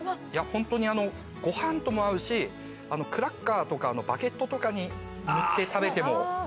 ホントにご飯とも合うしクラッカーとかバゲットとかに塗って食べても。